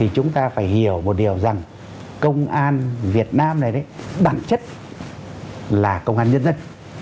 chúng ta phải hiểu một điều rằng công an việt nam này đấy bản chất là công an nhân dân